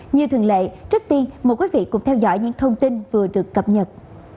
như thường lệ trước tiên mời quý vị cùng theo dõi những thông tin vừa được cập nhật